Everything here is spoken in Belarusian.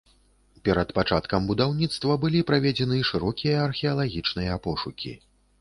Перад пачаткам будаўніцтва былі праведзены шырокія археалагічныя пошукі.